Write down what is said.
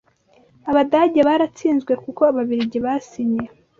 Abadage baratsinzwe, kuko Ababiligi basinye